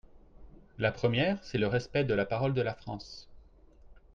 La première, c’est le respect de la parole de la France.